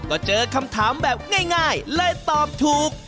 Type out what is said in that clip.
ก็เจอคำถามแบบง่ายเลยตอบถูก